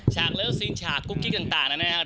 ฉากเลิกซีนฉากกุ๊บกิ๊กต่างนั้นนะครับ